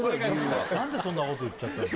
何でそんなこと言っちゃったの？